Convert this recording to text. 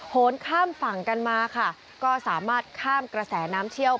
นข้ามฝั่งกันมาค่ะก็สามารถข้ามกระแสน้ำเชี่ยว